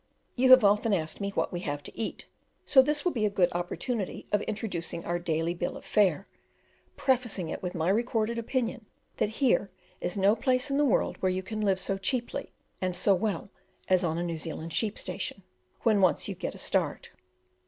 You have often asked me what we have to eat, so this will be a good opportunity of introducing our daily bill of fare, prefacing it with my recorded opinion that here is no place in the world where you can live so cheaply and so well as on a New Zealand sheep station, when once you get a start.